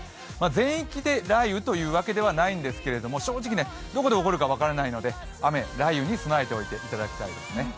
全域で雷雨というわけではないんですけれども、正直どこで起こるか分からないので雨、雷雨に備えていただきたいですね。